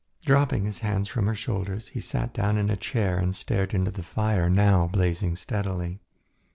Dropping his hands from her shoulders, he sat down in a chair and stared into the fire, now blazing steadily.